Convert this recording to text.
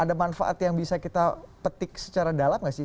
ada manfaat yang bisa kita petik secara dalam nggak sih